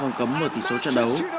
không cấm mở tỉ số trận đấu